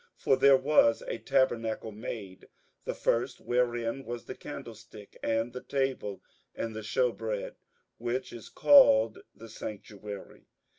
58:009:002 For there was a tabernacle made; the first, wherein was the candlestick, and the table, and the shewbread; which is called the sanctuary.